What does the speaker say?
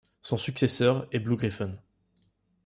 Son successeur est BlueGriffon.